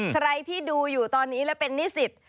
ใครที่ดูอยู่ตอนนี้และเป็นนิสิต